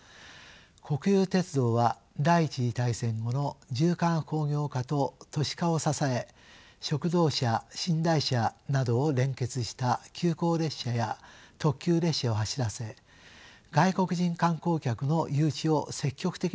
国有鉄道は第１次大戦後の重化学工業化と都市化を支え食堂車寝台車などを連結した急行列車や特急列車を走らせ外国人観光客の誘致を積極的に図りました。